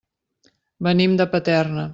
Venim de Paterna.